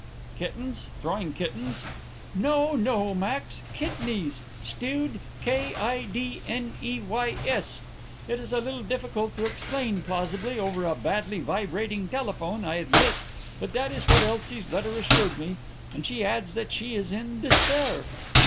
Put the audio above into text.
"Kittens! Throwing kittens?" "No, no, Max. Kidneys. Stewed k i d n e y s. It is a little difficult to explain plausibly over a badly vibrating telephone, I admit, but that is what Elsie's letter assured me, and she adds that she is in despair."